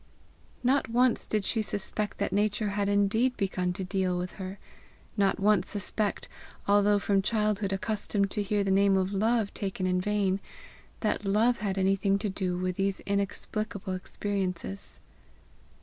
Not once did she suspect that Nature had indeed begun to deal with her; not once suspect, although from childhood accustomed to hear the name of Love taken in vain, that love had anything to do with these inexplicable experiences.